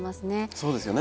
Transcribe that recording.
そうですよね。